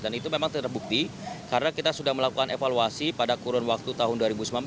dan itu memang terbukti karena kita sudah melakukan evaluasi pada kurun waktu tahun dua ribu sembilan belas